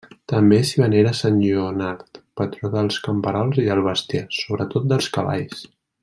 També s'hi venera sant Lleonard, patró dels camperols i del bestiar, sobretot dels cavalls.